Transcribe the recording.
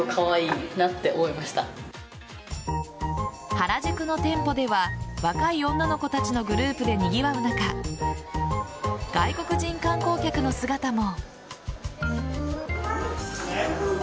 原宿の店舗では若い女の子たちのグループでにぎわう中外国人観光客の姿も。